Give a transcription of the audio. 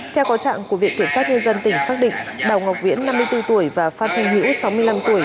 theo cáo trạng của viện kiểm soát nhân dân tỉnh xác định bảo ngọc viễn năm mươi bốn tuổi và phan thinh hữu sáu mươi năm tuổi